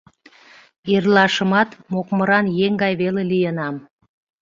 Эрлашымат мокмыран еҥ гай веле лийынам.